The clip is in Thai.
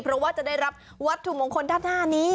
เพราะว่าจะได้รับวัตถุมงคลด้านหน้านี้